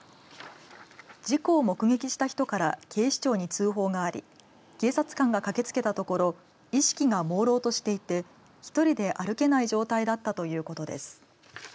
事故を目撃した人から警視庁に通報があり警察官が駆けつけたところ意識が、もうろうとしていて１人で歩けない状態だったということです。